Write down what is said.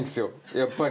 やっぱり。